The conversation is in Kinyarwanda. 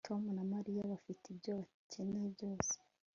Tom na Mariya bafite ibyo bakeneye byose